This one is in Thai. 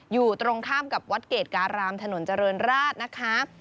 อยู่ตรงข้ามกับวัดเกรดการามถนนเจริญราชนะคะ